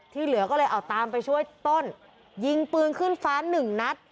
เหลือก็เลยเอาตามไปช่วยต้นยิงปืนขึ้นฟ้าหนึ่งนัด